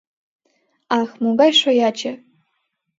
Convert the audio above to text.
— Ах, могай шояче.